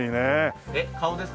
えっ顔ですか？